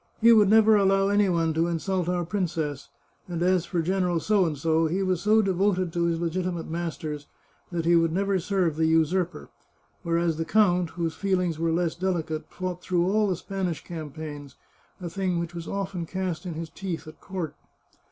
" He would never allow any one to insult our princess, and as for General P , he was so devoted to his legitimate masters that he would never serve the usurper, whereas the count, whose feelings were less delicate, fought through all the Spanish campaigns, a thing which was often cast in his teeth at court."